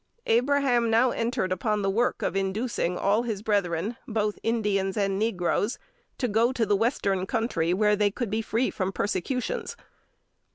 Abraham now entered upon the work of inducing all his brethren, both Indians and negroes, to go to the Western Country, where they could be free from persecutions.